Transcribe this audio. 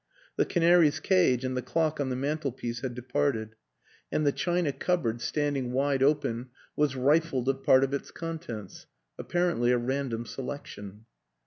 The canary's cage and the clock on the mantelpiece had departed; and the china cupboard WILLIAM AN ENGLISHMAN 69 standing wide open was rifled of part of its con tents apparently a random selection.